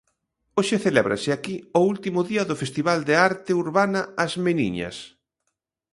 Hoxe celébrase aquí o último día do Festival de arte urbana As Meniñas.